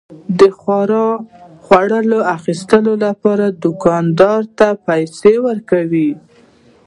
د خوړو اخیستلو لپاره دوکاندار ته پيسى ورکوي.